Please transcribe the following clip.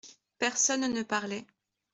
Personne ne parlait.